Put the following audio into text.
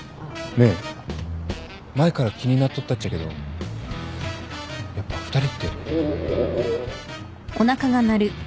ねえ前から気になっとったっちゃけどやっぱ２人って。